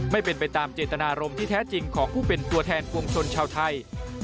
ไม่เป็นไปตามเจตนารมณ์ที่แท้จริงของผู้เป็นตัวแทนปวงชนชาวไทย